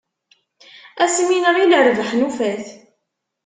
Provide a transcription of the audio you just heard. Ass mi nɣil rrbeḥ nufa-t.